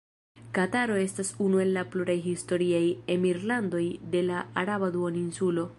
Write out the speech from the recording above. Kataro estas unu el pluraj historiaj emirlandoj de la Araba Duoninsulo.